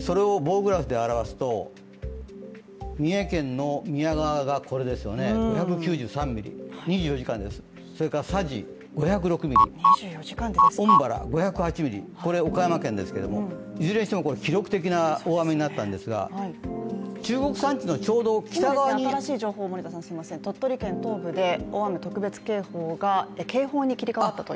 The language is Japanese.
それを棒グラフで表すと三重県の宮川がこれですよね５９３ミリ、２４時間です、それから佐治５０６ミリ恩原５０８ミリ、これは岡山県ですけどもいずれにしてもこれ記録的な大雨になったんですがちょうど北側に鳥取県東部で大雨特別警報が警報に切り替わったという。